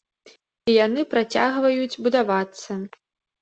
І яны працягваюць будавацца.